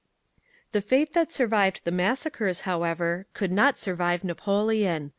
The faith that survived the massacres, however, could not survive Napoleon.